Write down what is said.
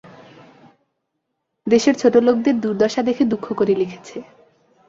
দেশের ছোটোলোকদের দুর্দশা দেখে দুঃখ করে লিখেছে।